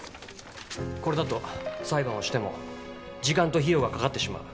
これだと裁判をしても時間と費用がかかってしまう。